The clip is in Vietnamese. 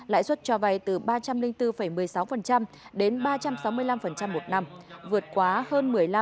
lãi suất cho vay từ ba trăm linh bốn một mươi sáu đến ba trăm sáu mươi năm một năm vượt quá hơn một mươi năm